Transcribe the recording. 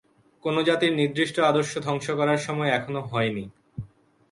কোন জাতির নির্দিষ্ট আদর্শ ধ্বংস করার সময় এখনও হয়নি।